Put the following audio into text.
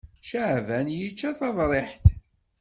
Caɛban yečča taḍriḥt.